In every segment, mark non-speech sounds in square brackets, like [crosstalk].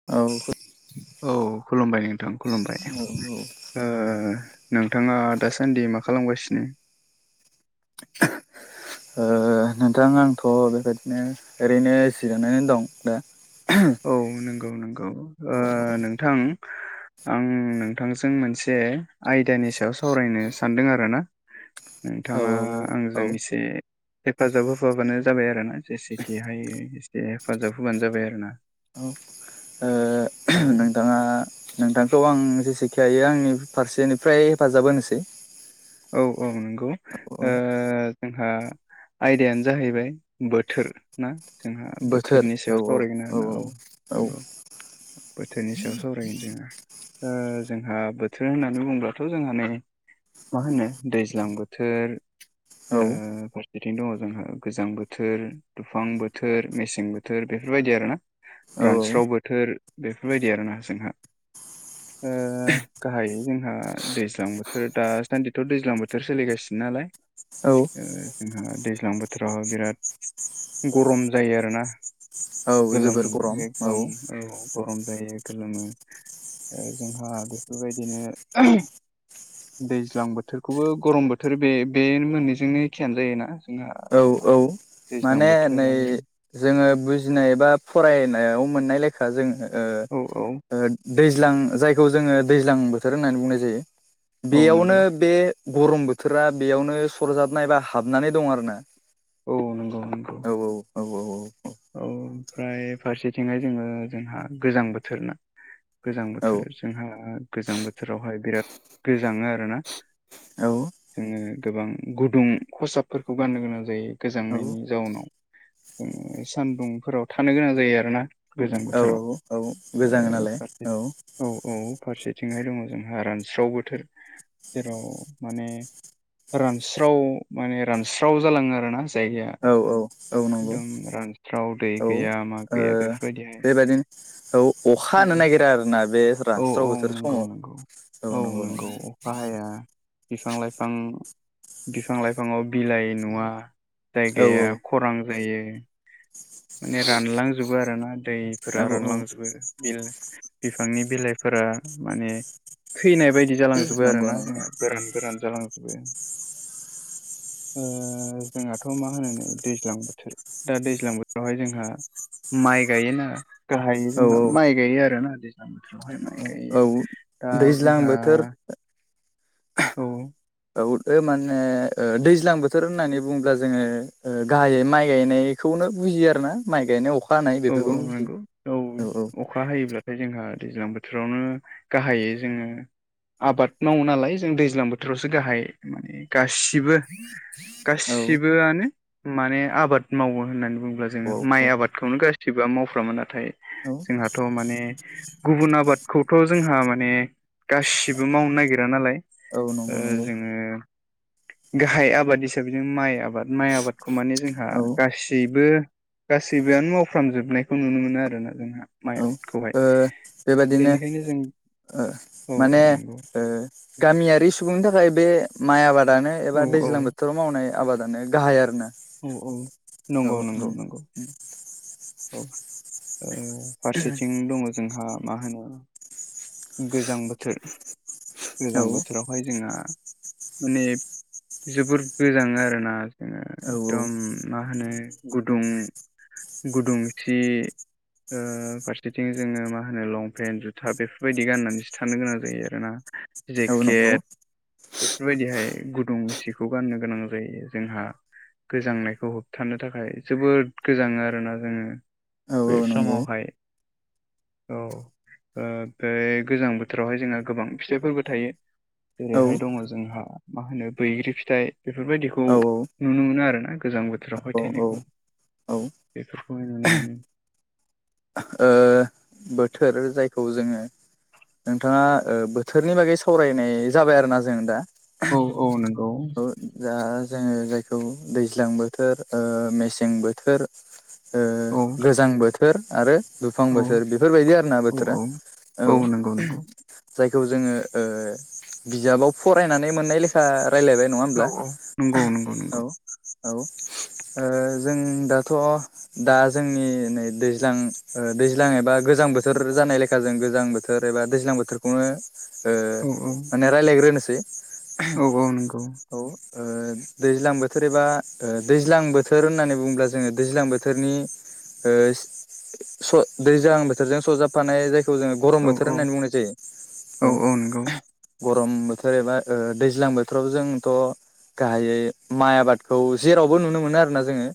औ। औ खुलुमबाय नोंथां खुलुमबाय। ओ नोंथाङा दासान्दि मा खालामगासिनो? [inaudible] ओ नोंथां आंथ' बेबायदिनो ओरैनो जिरनानै दं दा [inaudible] औ नंगौ नंगौ ओ औ नोंथां आं नोंथांजों मोनसे आयदानि सायाव सावरायनो सानदों आरोना औ नोंथाङा औ आंजों एसे हेफाजाब होफाबानो जाबाय आरोना जेसेखि हायो एसे हेफाजाब होबानो जाबाय आरोना ओ औ नों नोंथाङा नोंथांखौ आं जेसेखि हायो आंनि फारसेनिफ्राय हेफाजाब होनोसै औ औ नंगौ ओ जोंहा आयदायानो जाहैबाय बोथोर ना जोंहा बोथोर बोथोरनि औ सायाव सावरायगोन आरोना औ नंगौ। बोथोरनि सायाव सावरायगोन जोङो ओ जोंहा बोथोर होननानै बुङोब्लाथ जोंहा नै मा होनो दैज्लां बोथोर औ ओ बिथिं दङ जोंहा गोजां बोथोर दुफां बोथोर मेसें बोथोर बेफोरबायदि आरोना औ रानस्राव बोथोर बेफोरबायदि आरोना जोंहा ओ गाहायै जोंहा दैज्लां बोथोर दासान्दिथ' दैज्लां बोथ बोथोर सोलिगासिनो नालाय औ ओ जोंहा दैज्लां बोथोराव बिराद गरम जायो आरोना औ गोलोम जोबोर गरम औ एकदम औ गरम जायो गोलोमो दा जोंहा बेफोरबायदिनो दैज्लां बोथोरखौबो गरम बोथोर बे बे मोननैजोंनो एखेयानो जायोना? जोंहा औ मा औ होनो दैज्लां माने नै बोथोर आरो जोङो बुजिनाय बा फरायनायाव मोननाय लेखा जों ओ औ औ ओ दैज्लां जायखौ जोङो दैज्लां बोथोर होननानै बुंनाय जायो औ नंगौ बेयावनो बे गरम बोथोरा बेयावनो सरजाबनाय एबा हाबनानै दं आरोना औ नंगौ नंगौ औ औ औ औ औ औ औ ओमफ्राय फारसेथिंहाय जोङो जोंहा गोजां बोथोर ना गोजां औ बोथोर जोंहा गोजां बोथोरावहाय बिरात गोजांडों आरोना औ। जोङो गोबां गुदुं खसाबफोरखौ गाननो गोनां जयो औ गोजांनायनि जाउनाव। जोङो सानदुंफोराव थानो गोनां जायो आरोना। गोजां औ बोथोराव औ गोजाङो ओ नालाय फारसे औ। औ फारसेथिंहाय दङ जोंहा रानस्राव बोथोर। जेराव माने रानस्राव माने रानस्राव जालाङो आरोना जायगाया औ औ औ नंगौ। एकदम रानस्राव दै औ ओ गैया मा गैया बेफोरबायदिहाय बेबादिनो औ अखा हानो नागिर आरोना बे औ रानस्राव औ बोथोर नंगौ नंगौ समाव औ नंगौ बिफां लाइफां बिफां लाइफाङाव बिलाइ नुवा औ जायगाया खरां जायो माने रानलांजोबो आरोना औ दैफोरा औ रानलांजोबो बेयो बिफांनि बिलाइफोरा माने थैनाय बायदि जालांजोबो नंगौ आरोना नंगौ गोरान गोरान जालांजोबो। ओ जोंहाथ' मा होनो नै दैज्लां बोथोर दा दैज्लां बोथोरावहाय जोंहा माय गायोना गाहाय औ जोंहा माइ गायो आरोना दैज्लां बोथोरावहाय माइ गायो औ औ दा दैज्लां जोंहा बोथोर औ औ। औमाने ओ दैज्लां बोथोर होननानै बुङोब्ला जोङो ओ गाहायै माइ गायनाय बेखौनो बुजियो आर ना माइ गायनाय अखा हानाय औ औ बेफोरखौनो नंगौ बुजियो औ औ। अखा हायोब्लाथाय जोंहा दैज्लां बोथोरावनो गाहायौ जोंडो आबाद मावो नालाय जों दैज्लां बोथोरावसो गाहाय माने गासिबो औ गासिबोआनो माने आबाद मावो होननानै बुङोब्ला जोङो माइ औ आबादखौनो गासिबो खेतिबा मावफ्रामोन नाथाय औ जोंहाथ' माने गुबुन आबादखौथ' जोंहा माने गासिबो मावनो नागिरा नालाय। औ ओ नंगौ नंगौ जोङो गाहाय आबाद हिसाबै जों माइ आबाद माइ आबादखौ माने जोंहा औ गासैबो गासैबोआनो मावफ्रामजोबनायखौ नुनो मोनो आरोना जोंहा औ ओ माइ आबादखौहाय। बेबादिनो बेनिखायनो जों ओ औ औ माने नंगौ ओ गामियारि सुबुंनि थाखाय बे माइ आबादानो औ एबा औ दैज्लां बोथोराव। मावनाय आबादानो गाहाय आरो ना। औ औ नंगौ नंगौ नंगौ। [inaudible] औ ओ फारसेथिं दङ जोंहा मा होनो गोजां बोथोर औ गोजां बोथोराव। बेहाय जोंहा माने जोबोर गोजाङो आरोना। ओ औ एकदम मा होनो गुदुं गुदुंथि ओ फारसेथिं जोङो मा होनो लंपेन्ट जुथा बेफोरबायदि गाननानैसो थानो गोनां जायो आरोना। औ नंगौ जेकेट। बेफोरबायदिहाय गुदुं सिखौ गाननो गोनां जायो जोंहा गोजांनायखौ होबथानो थाखाय जोबोद गोजाङो आरोना। जोङो औ औ बै नंगौ समावहाय औ ओ ओमफाय गोजां बोथोरावहाय जोंहा गोबां फिथाइफोरबो थायो। औ जेरैहाय दङ जोंहा मा होनो बैग्रि फिथाइ बेफोरबायदिखौ औ नुनो मोनो आर ना गोजां बोथोरावहाय औ औ थायनायखौ औ ओ बेफोरखौ। मोनो। बोथोर जायखौ जोङो। नोंथाङा बोथोरनि बागै सावरायनाय जाबाय आरोना जों दा। औ औ नंगौ। औ दा जोङो जायखौ दैज्लां बोथोर मेसें बोथोर। औ गोजां बोथोर आरो दुफां औ बोथोर। बेफोरबायदि आरो ना औ बोथोरा औ। नंगौ नंगौ जायखौ जोङो ओ बिजाबाव फरायनानै मोननाय लेखा रायज्लायबाय। नङा हब्ला औ औ नंगौ नंगौ औ नंगौ औ। ओ जों दाथ' दा जोंनि नै दैज्लां दैज दैज्लां एबा गोजां बोथोर जानाय लेखा जों गोजां बोथोर एबा दैज्लां बोथोरखौनो ओ औ औ माने राय्लायग्रोनोसै। औ औ नंगौ। औ ओ दैज्लां बोथोर एबा दैज्लां बोथोर होननानै बुङोब्ला जोङो दैज्लां बोथोरनि ओ स दैजां बोथोरजों सजाब फानाय जायखौ जोङो गरम औ बोथोर औ होननानै बुंनाय जायो औ नंगौ औ। गरम बोथोर एबा ओ दैज्लां बोथोराव जोंथ'‌ गाहायै माय आबादखौ जेरावबो नुनो मोनो आरो ना जोंङो।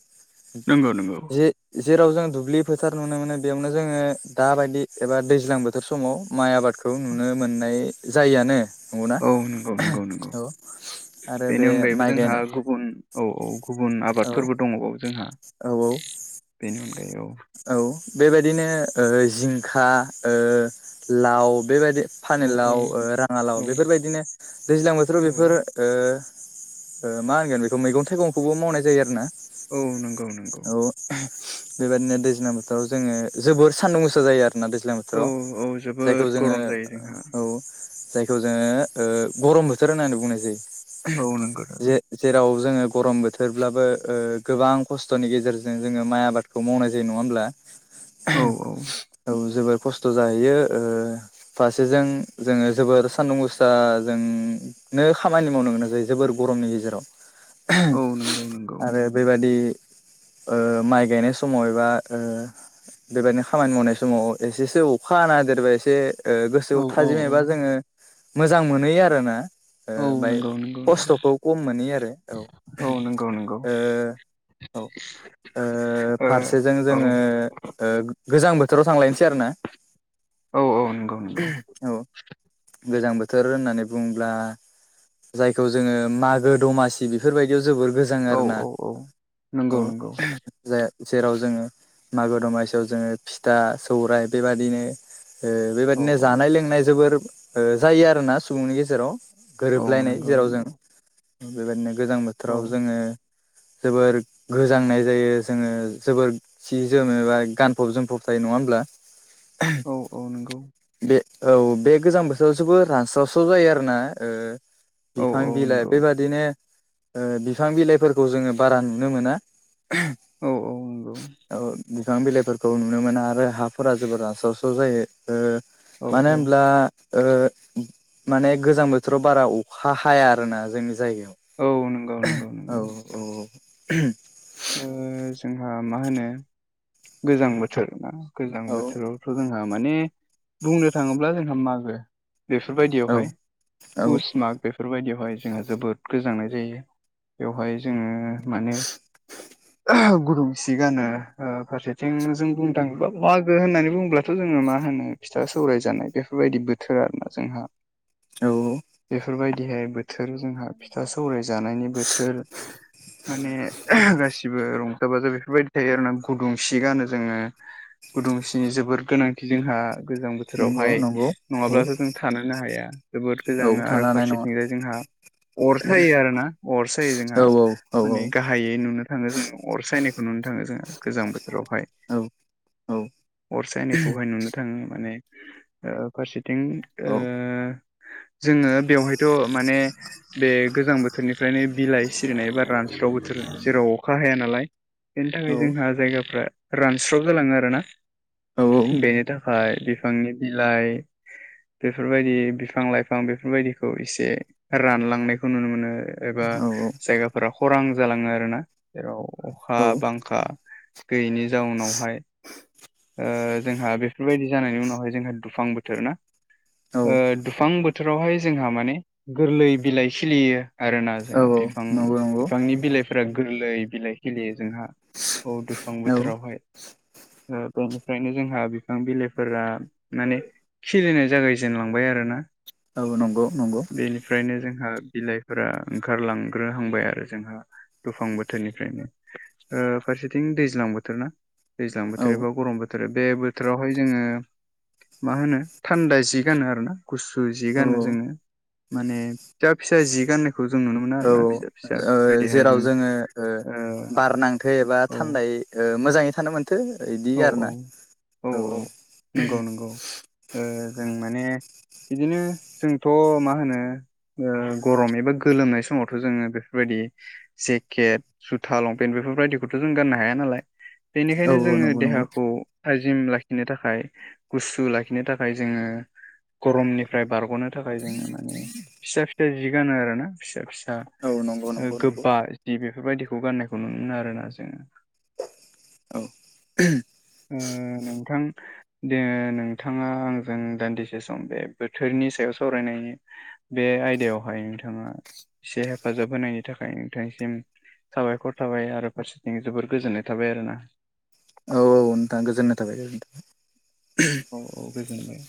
नंगौ नंगौ जे जेरावजों दुब्लि फोथार नुनो मोनो बेयावनो जोङो दाबायदि एबा दैज्लां बोथोर समाव माइ आबादखौ नुनो मोननाय जायआनो। ओ नंगौ नंगौ आरो बे बेनि अनगायैबो माइ जोंहा गायनाय गुबुन औ औ गुबुन औ आबादफोरबो दङबाव जोंहा औ औ बेनि अनगायै औ। औ बेबायाददिनो ओ जिंखा ओ लाव बेबायादि औ फानिलाव औ राङालाव औ बेफोरबायदिनो दैज्लां बोथोराव बेफोर औ ओ ओ मा होनगोन बेखौ मैगं थाइगंखौबो मावनाय जायो आरो ना। औ नंगौ नंगौ औ। बेबायदिनो दैज्लां बोथोराव जोङो जोबोर सान्दुं गोसा जायो आरो। ना दैज्लां औ बोथोराव औ जायखौ जोबोद जोङो गरम जायो जोंहा औ। जायखौ जोङो ओ गरम बोथोर होननानै बुंनाय जायो। औ नंगौ नंगौ जे जेराव जों गरम बोथोर बोथोरब्लाबो ओ गोबां खस्थ'नि गेजेरजों जोङो माइ आबादखौ मावनाय जायो नङा होमब्ला। औ औ औ जोबोर खस्थ' जाहैयो ओ फारसेजों जोङो जोबोर सान्दुं गोुस्रा जों नो खामानि मावनो गोनां जायो जोबोर गरमनि गेजेराव। औ नंगौ नंगौ।। आरो बेबादि ओ माइ गायनाय समाव एबा ओ बेबायदिनो खामानि मावनाय समाव एसेसो अखा हा नदेरबाय एसे ओ गोसोआव औ औ थाजिमबा जोङो मोजां मोनहोयो आरो ना। ओ औ बाय नंगौ नंगौ नंगौ कस्तखौ कम मोनयो आरो औ। औ नंगौ नंगौ। ओ औ ओ फरसेजों ओ औ जोङो गोजां बोथोराव थांलायनोसै आरो ना। औ औ नंगौ नंगौ। औ गोजां बोथोर होननानै बुंङोब्ला जायखौ जोङो मागो दमासि बेफोरबायदियाव जोबोर गोजो गोजां ओ औ आरोना औ औ नंगौ औ। नंगौ जा जेराव जोङो मागो दमासियाव जोङो फिथा सौराय बेबादिनो ओ बेबायादिनो औ जानाय लोंनाय जोबोर जायो ओ आरोना सुबुंनि गेजेराव। औ औ गोरोबलायनाय नंगौ जेराव जों नंगौ बेबायदिनो गोजां औ बोथोराव जोङो जोबोर गोजांनाय जायो जोङो जोबोर सिजोम एबा गानफब जोमफब थायो नङा होमब्ला। औ औ नंगौ बे औ बे गोजां बो थोराव जोबोर रानस्राव स्राव जायो आरोना ओ औ बिफां औ बिलाइ नंगौ बेबादिनो ओ बिफां बिलाइफोरखौ जोंङो बारा नुनो मोना औ औ नंगौ औ बिफां बिलाइफोरखौ नुनो मोना आरो हाफोरा जोबोर रामस्राव स्राव जायो। ओ औ मानो होनब्ला ओ माने गोजां बोथोराव बारा अखा हाया आरोना जोंनि जायगायाव औ नंगौ नंगौ नंगौ औ अम ओ जोंहा मा होनो गोजां बोथोर ना गोजां औ बोथोरावथ' जोंहा माने बुंनो थाङोब्ला जोंहा मागो बेफोर औ बायदियावहाय औ पुस माग बेफोर बायदियावहाय जोंहा जोबोद गोजांनाय जायो बेवहाय जोंङो माने गुदुंसि गानो ओ फारसेथिं जों बुंनो थाङोबा मागो होननानै बुङोब्लाथ' जोंङो मा होनो फिथा सौराय जानाय बेफोरबायदि बोथोर आरोना जोंहा औ बेफोरबायदिहाय बोथोर जोंहा फि फिथा सौराय जानायनि बोथोर माने गासिबो ओ रंजा बाजा बेफोरबायदि थायो आरोना गुदुंसि गानो जोंङो गुदुंसिनि जोबोर गोनांथि जोंहा गोजां नंगौ बोथोरावहाय नंगौ औ नङाब्लाथ' जों थानोनो हाया जोबोद औ गोजाङो आरो थानो हानाय नङा फारसेथिंजाय जोंहा अर सायो आरोना अर सायो जोंहा औ औ माने गाहायै नुनो थाङो जों अर सायनायखौ नुनो थाङो जोंङो गोजां बो थोर आवहाय औ औ अर सायनायखौहाय नुनो थाङो माने ओ फारसेथिं ओ जोंङो बेवहायथ' माने बे गोजां बो थोरनिफ्रायनो बिलाइ सिरिनायबा रानस्राव बोथोर जेराव अखा अखा हाया नालाय बेनि थाखाय औ जोंहा जायगाफ्रा रानस्र' जालाङो आरोना। बेनि थाखाय बिफांनि बिलाइ बेफोरबायदि बिफां लाइफां बेफोरबायदिखौ इसे रानलांनायखौ नुनो मोनो। एबा जायगाफोरा खरां जालाङो आरोना जेराव अखा बांखा गैयैनि जाउनावहाय ओ जोंहा बेफोरबायदि जानायनि उनावहाय जोंहा दुफां बोथोर ना ओ दुफां बोथोरावहाय जोंहा माने गोरलै बिलाइ खिलियो आरोना जोंङो बिफां नंगौ नंगौ बिफांनि बिलाइफोरा गोरलै बिलाइ खिलियो जोंहा औ दुफां औ बोथोरावहाय ओ बेनिफ्रायनो जोंहा बिफां बिलाइफोरा माने खिलिनाय जागायजेनलांबाय आरोना। औ नंगौ नंगौ बेनिफ्रायनो जोंहा बिलाइफोरा ओंखारलांग्रोहांबाय आरो जोंहा दुफां बोथोरनिफ्रायनो ओ फारसेथिं दैज्लां बोथोर ना दैज्लां औ बोथोर एबा गरम बो थोर बे बोथोरावहाय जोंङो मा होनो थान्दा जि गानो आरोना। गुसु जि औ गानो औ जोंङो माने फिसा फिसा जि गाननाय खौ जों नुनो मोनो औ आरोना फिसा फिसा ओ बेबायदिहाय जेराव जों जोंङो ओ बारनांथो एबा ओ थान्दायै ओ मोजाङै थानो मोन थो इदि औ आरोना औ औ औ नंगौ नंगौ ओ जों माने बिदिनो जोंथ' मा होनो ओ गरम एबा गोलोमनाय समावथ' जोङो बेफोरबायदि जेकेट जुथा लंपेन्ट बेफोरबायदिखौथ' जों गाननो हाया नालाय औ बेनिखायनो औ जोङो नंगौ नंगौ अ थाजिम लाखिनो थाखाय गुसु लाखिनो थाखाय जोङो गरमनिफ्राय बारग'नो थाखाय जोङो माने फिसा-फिसा जि गानो आरो ना फिसा-फिसा औ नंगौ ओ नंगौ नंगौ गोबा जि बेफोरबायाददिखौ गान्नायखौ नुनो आरोना जोङो। औ ओ नोंथां दे नोंथाङा आंजों दान्दिसे सम बे बोथोरनि सायाव सावरायनायनि बे आयदायावहाय नोंथाङा एसे हेफाजाब होनायनि थाखाय नोंथांसिम साबायखर थाबाय आरो फारसेथिं जोबोर गोजोननाय थाबाय आरो ना। औ औ नोंथां गोजोननाय थाबाय। औ औ गोजोनबाय।